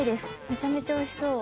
めちゃめちゃおいしそう。